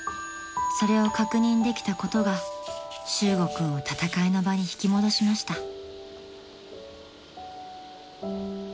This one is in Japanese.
［それを確認できたことが修悟君を戦いの場に引き戻しました］